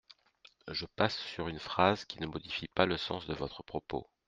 Je passe sur une phrase qui ne modifie pas le sens de votre propos.